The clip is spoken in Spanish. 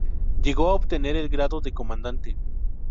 Llegó a obtener el grado de comandante.